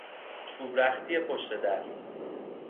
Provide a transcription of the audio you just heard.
چوبرختی پشت در